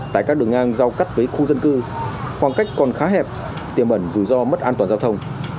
tại các đường ngang rào cắt với khu dân cư khoảng cách còn khá hẹp tiềm ẩn dù do mất an toàn giao thông